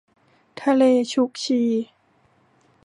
ทะเลชุกชี